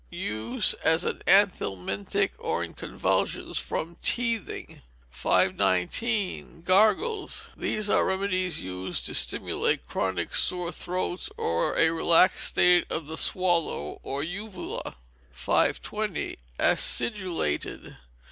Use as an anthelmintic, or in convulsions from teething. 519. Gargles. These are remedies used to stimulate chronic sore throats, or a relaxed state of the swallow, or uvula. 520. Acidulated.